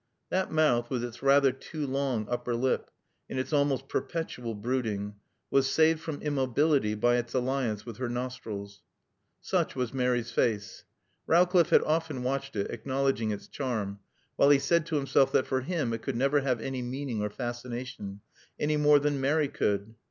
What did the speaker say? That mouth with its rather too long upper lip and its almost perpetual brooding was saved from immobility by its alliance with her nostrils. Such was Mary's face. Rowcliffe had often watched it, acknowledging its charm, while he said to himself that for him it could never have any meaning or fascination, any more than Mary could.